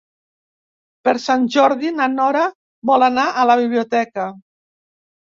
Per Sant Jordi na Nora vol anar a la biblioteca.